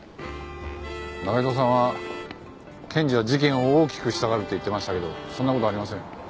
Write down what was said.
仲井戸さんは検事は事件を大きくしたがるって言ってましたけどそんな事ありません。